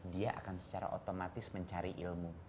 dia akan secara otomatis mencari ilmu